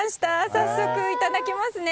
早速、いただきますね。